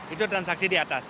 itu transaksi di atas